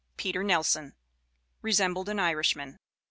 PETER NELSON. (RESEMBLED AN IRISHMAN.)